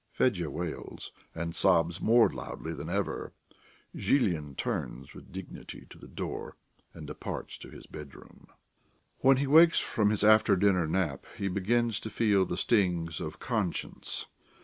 Fedya wails and sobs more loudly than ever. Zhilin turns with dignity to the door and departs to his bedroom. When he wakes from his after dinner nap he begins to feel the stings of conscience.